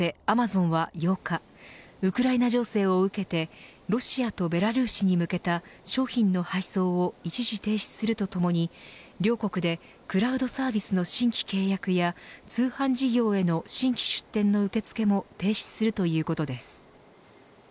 アマゾンは８日ウクライナ情勢を受けてロシアとベラルーシに向けた商品の配送を一時停止するとともに両国でクラウドサービスの新規契約や通販事業への新規出店の受け付けも停止するということです。